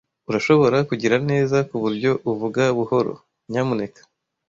Urashobora kugira neza kuburyo uvuga buhoro, nyamuneka?